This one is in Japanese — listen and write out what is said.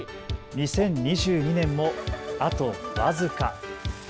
２０２２年もあと僅か。